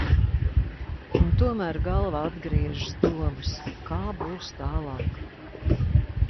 Un tomēr galvā atgriežas domas, kā būs tālāk?